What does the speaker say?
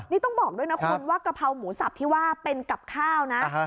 นี่ต้องบอกด้วยนะคุณว่ากะเพราหมูสับที่ว่าเป็นกับข้าวนะ